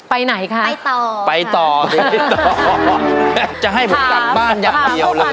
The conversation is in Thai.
ไหนคะไปต่อไปต่อไปจะให้ผมกลับบ้านอย่างเดียวเลย